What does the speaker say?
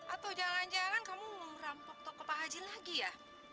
atau jalan jalan kamu merampok tokoh pak haji lagi ya